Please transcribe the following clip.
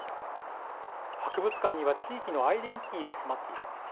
「博物館には地域のアイデンティティーが詰まっている」